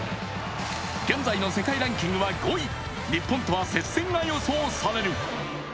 現在の世界ランキングは５位、日本とは接戦が予想される。